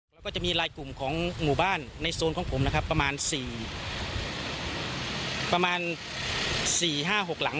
แล้วก็จะมีลายกลุ่มของหมู่บ้านในโซนของผมนะครับประมาณ๔ประมาณ๔๕๖หลัง